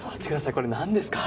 これなんですか。